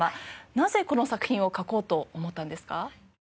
なぜこの作品を書こうと思ったんですか？